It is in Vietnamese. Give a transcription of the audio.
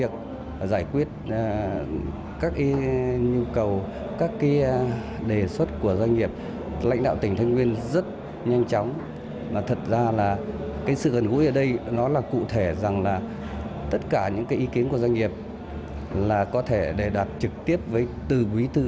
tất cả những ý kiến của doanh nghiệp là có thể đề đặt trực tiếp với tư quý tư